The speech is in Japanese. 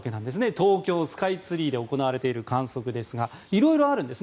東京スカイツリーで行われている観測ですがいろいろあるんです。